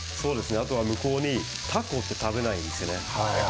あとは向こうでたこを食べないんですね。